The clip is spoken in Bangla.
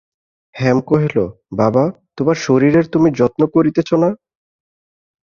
হেম কহিল, বাবা, তোমার শরীরের তুমি যত্ন করিতেছ না।